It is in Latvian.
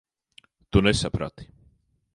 Tu nesaprati.